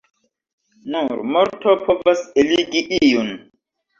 Nur morto povas eligi iun.